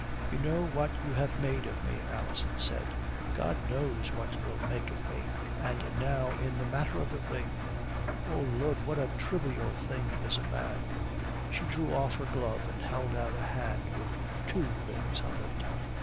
"You know what you have made of me," Alison said. "God knows what you'll make of me. And now in the matter of the ring " "Oh Lud, what a trivial thing is a man!" She drew off her glove and held out a hand with two rings on it.